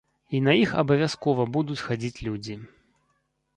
І на іх абавязкова будуць хадзіць людзі.